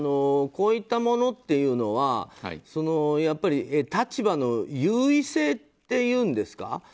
こういったものっていうのはやっぱり立場の優位性というんですか。